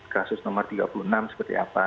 kasus nomor tiga puluh enam seperti apa